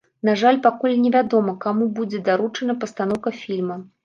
На жаль, пакуль невядома, каму будзе даручана пастаноўка фільма.